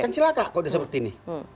kan silahkan kalau sudah seperti ini